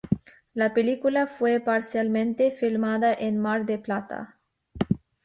La película fue parcialmente filmada en Mar del Plata.